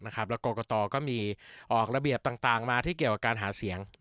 แล้วกรกตก็มีออกระเบียบต่างมาที่เกี่ยวกับการหาเสียง